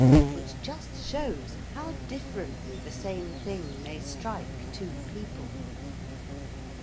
(Which just shows how differently the same thing may strike two people.)